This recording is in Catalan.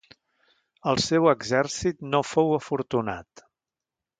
El seu exèrcit no fou afortunat.